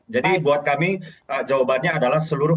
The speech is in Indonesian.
jadi buat kami jawabannya adalah seluruh